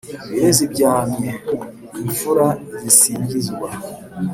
ibirezi byamye: imfura zisingizwa